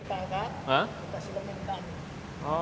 kita akan kita silam yang kita ambil